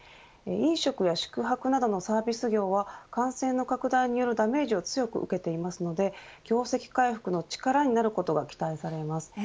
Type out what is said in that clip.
飲食や宿泊などのサービス業は感染の拡大によるダメージを強く受けているので業績回復の力になることが期待されています。